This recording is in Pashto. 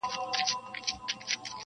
پردي وطن ته په کډه تللي -